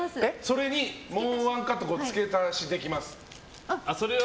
それにもうワンカット付け足しできます。